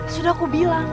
sudah aku bilang